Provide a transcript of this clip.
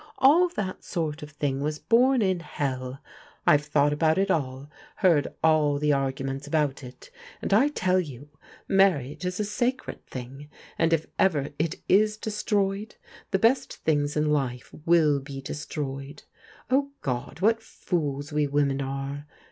All that sort of thing was bom in hell ! I have thought about it all, heard all the arguments about it, and I tell you, marriage is a sacred thing, and if ever it is destroyed the best things in life will be destroyed. Oh, God, what fools we women are!